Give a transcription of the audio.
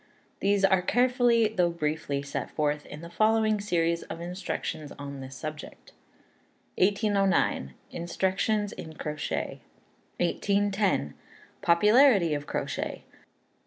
These are carefully, though briefly set forth in the following series of instructions on this subject. 1809. Instructions in Crochet. 1810. Popularity of Crochet.